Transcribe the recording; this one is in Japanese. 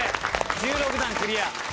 １６段クリア。